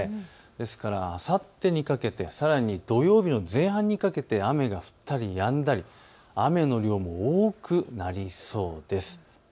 ですから、あさってにかけてさらに土曜日の前半にかけて雨が降ったりやんだり雨の量も多くなりそうです。